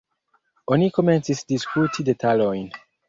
Oni komencis diskuti detalojn.